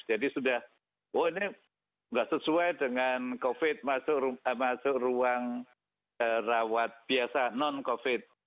jadi sudah oh ini nggak sesuai dengan covid masuk ruang rawat biasa non covid